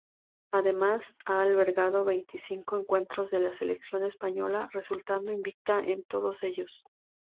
Además ha albergado veinticinco encuentros de la selección española, resultando invicta en todos ellos.